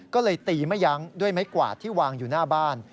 ก็เลยตีไม่ยั้งด้วยไม้กวาดที่วางอยู่หน้าบ้าน